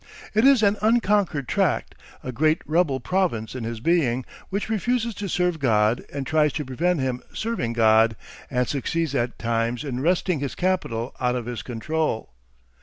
It is an unconquered tract, a great rebel province in his being, which refuses to serve God and tries to prevent him serving God, and succeeds at times in wresting his capital out of his control.